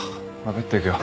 ベッド行くよ。